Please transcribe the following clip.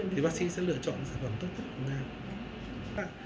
thì bác sĩ sẽ lựa chọn sản phẩm tốt nhất của chúng ta